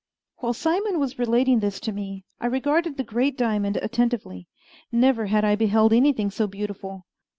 While Simon was relating this to me, I regarded the great diamond attentively. Never had I beheld anything so beautiful.